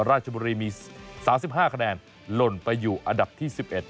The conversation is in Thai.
ราชบุรีมี๓๕คะแนนหล่นไปอยู่อันดับที่๑๑